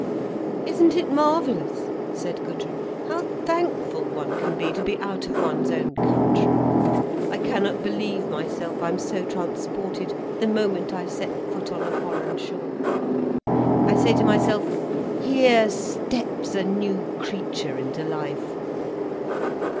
"Isn't it marvellous," said Gudrun, "how thankful one can be, to be out of one's country. I cannot believe myself, I am so transported, the moment I set foot on a foreign shore. I say to myself 'Here steps a new creature into life.